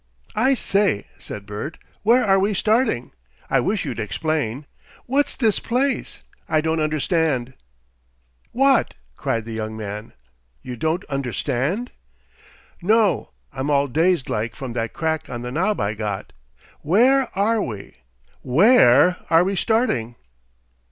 "I say!" said Bert, "where are we starting? I wish you'd explain. What's this place? I don't understand." "What!" cried the young man, "you don't understand?" "No. I'm all dazed like from that crack on the nob I got. Where ARE we? WHERE are we starting?"